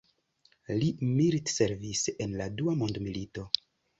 Li militservis en la Dua Mondmilito.